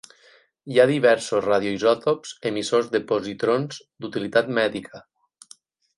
Hi ha diversos radioisòtops emissors de positrons d'utilitat mèdica.